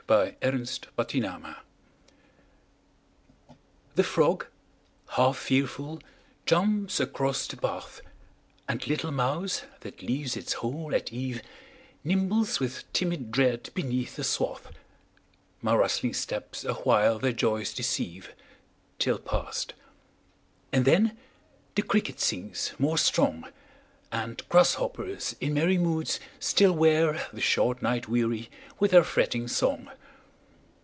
Summer Evening The frog half fearful jumps across the path, And little mouse that leaves its hole at eve Nimbles with timid dread beneath the swath; My rustling steps awhile their joys deceive, Till past, and then the cricket sings more strong, And grasshoppers in merry moods still wear The short night weary with their fretting song.